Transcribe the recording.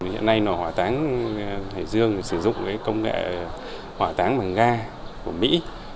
hiện nay hòa táng hải dương sử dụng công nghệ hòa táng bằng ga của mỹ